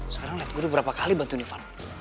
sekarang liat gue udah berapa kali bantuin ivan